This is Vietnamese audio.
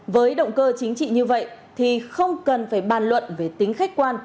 với động cơ chính trị như vậy thì không cần phải bàn luận về tính khách quan